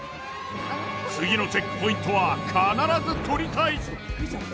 次のチェックポイントは必ず取りたい。